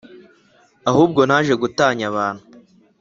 Ahubwo naje gutanya abantu